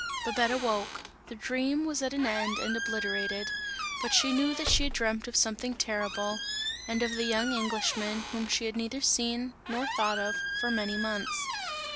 Babette awoke the dream was at an end and obliterated; but she knew that she had dreamt of something terrible, and of the young Englishman, whom she had neither seen, nor thought of, for many months.